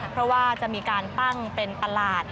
เพราะว่าจะมีการตั้งเป็นตลาด